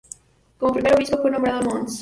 Como primer obispo fue nombrado mons.